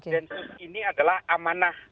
densus ini adalah amanah